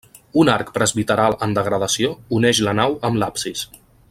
Un arc presbiteral en degradació uneix la nau amb l'absis.